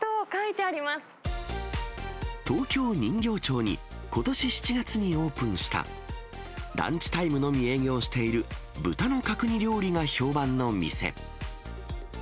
東京・人形町にことし７月にオープンした、ランチタイムのみ営業している、豚の角煮料理が評判の店。